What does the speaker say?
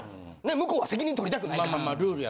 向こうは責任とりたくないから。